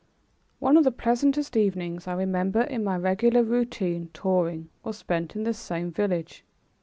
One of the pleasantest evenings I remember in my regular routine touring was spent in this same village.